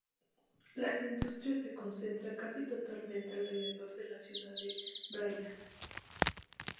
Las industrias se concentran casi totalmente alrededor de la ciudad de Brăila.